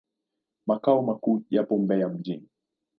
Makao makuu yapo Mbeya mjini.